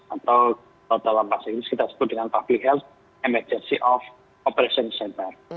atau dalam bahasa inggris kita sebut dengan public health emergency of operation center